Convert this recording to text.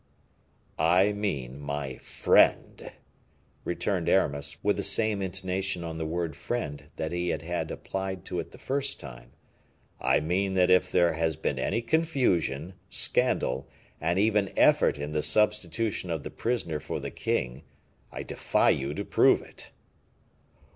"I mean, my friend," returned Aramis, with the same intonation on the word friend that he had applied to it the first time "I mean that if there has been any confusion, scandal, and even effort in the substitution of the prisoner for the king, I defy you to prove it."